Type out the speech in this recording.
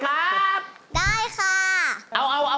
คุณรู้จักกับทศพรหิมพานด้วย